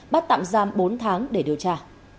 bắt tạm giam bốn tháng để điều tra